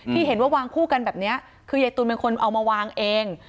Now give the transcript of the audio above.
ที่เห็นว่าวางคู่กันแบบนี้คือยายตูนเป็นคนเอามาวางเอง